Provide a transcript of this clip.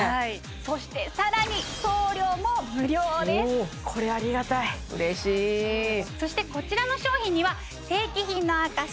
そして更にこれありがたい嬉しいそしてこちらの商品には正規品の証し